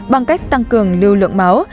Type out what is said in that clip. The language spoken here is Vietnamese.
bằng cách tăng cường lưu lượng máu